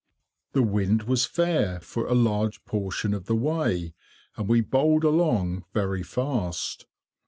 The wind was fair for a large portion of the way, and we bowled along very fast.